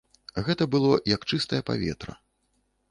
Гэта было як чыстае паветра.